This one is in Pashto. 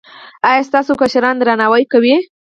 ایا ستاسو کشران درناوی کوي؟